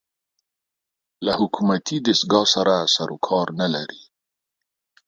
له حکومتي دستګاه سره سر و کار نه لري